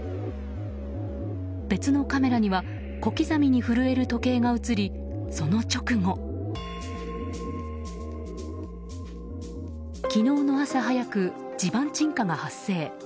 別のカメラには小刻みに震える時計が映り、その直後昨日の朝早く、地盤沈下が発生。